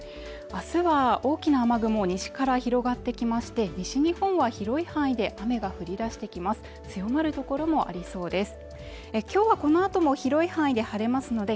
明日は大きな雨雲西から広がってきまして西日本は広い範囲で雨が降り出してきます